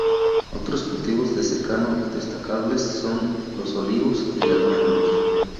Otros cultivos de secano destacables son los olivos y almendros.